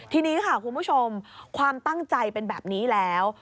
ทีนี้ค่ะคุณผู้ชมความตั้งใจเป็นแบบนี้แล้ว